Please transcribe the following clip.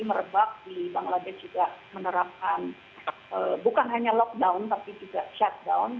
merebak di bangladesh juga menerapkan bukan hanya lockdown tapi juga shutdown